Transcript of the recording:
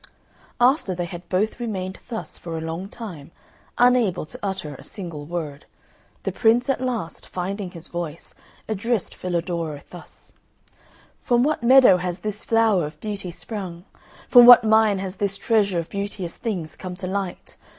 After they had both remained thus for a long time, unable to utter a single word, the Prince at last, finding his voice, addressed Filadoro thus, "From what meadow has this flower of beauty sprung? From what mine has this treasure of beauteous things come to light?